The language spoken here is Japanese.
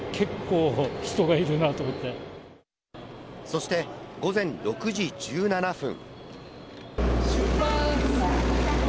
そして、午前６時１７分。